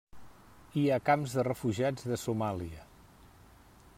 Hi ha camps de refugiats de Somàlia.